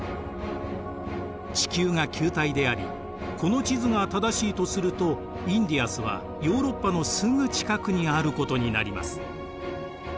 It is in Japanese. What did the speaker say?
地球が球体でありこの地図が正しいとするとインディアスはヨーロッパのすぐ近くにあることになります。